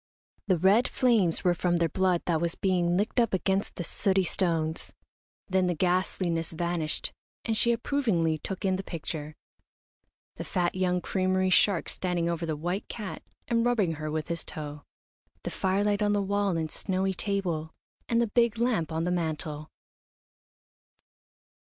The red flames were from their blood that was being licked up against the sooty stones. Then the ghastliness vanished, and she approvingly took in the picture, the fat young creamery shark standing over the white cat and rubbing her with his toe, the firelight on the wall and snowy table, and the big lamp on the mantel.